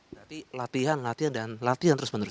berarti latihan latihan dan latihan terus menerus